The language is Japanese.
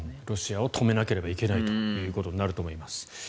ロシアを止めなければいけないということになると思います。